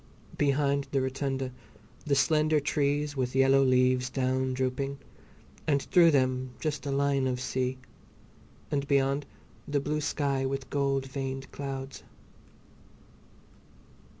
Behind the rotunda the slender trees with yellow leaves down drooping, and through them just a line of sea, and beyond the blue sky with gold veined clouds.